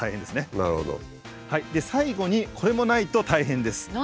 で最後にこれもないと大変です。